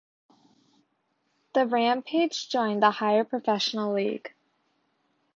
The Rampage joined the higher, professional league.